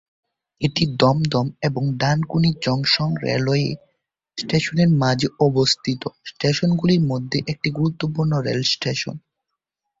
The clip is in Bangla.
এটি দমদম এবং ডানকুনি জংশন রেলওয়ে স্টেশনের মাঝে অবস্থিত স্টেশনগুলির মধ্যে একটি গুরুত্বপূর্ণ রেল স্টেশন।